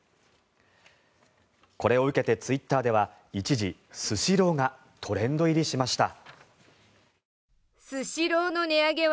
これを受けてツイッターでは一時、スシローがトレンド入りしました。